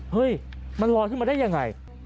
เฮ้ยมันลอยขึ้นมาได้ยังไง